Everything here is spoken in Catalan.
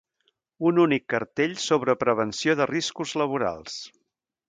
Un únic cartell sobre prevenció de riscos laborals.